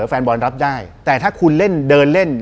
แฟนบอลรับได้แต่ถ้าคุณเล่นเดินเล่น